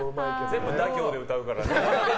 全部、ダ行で歌うからね。